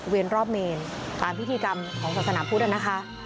รอบเมนตามพิธีกรรมของศาสนาพุทธนะคะ